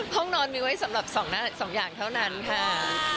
ห้องนอนมีไว้สำหรับ๒อย่างเท่านั้นค่ะ